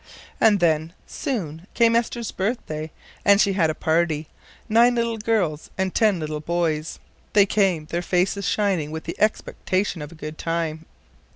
And then, soon, came Esther's birthday, and she had a party. Nine little girls and ten little boys. They came, their faces shining with the expectation of a good time.